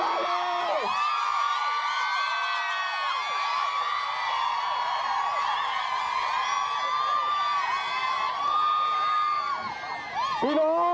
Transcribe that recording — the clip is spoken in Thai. ผมไม่รู้